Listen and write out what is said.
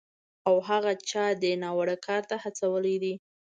او هغه چا دې ناوړه کار ته هڅولی دی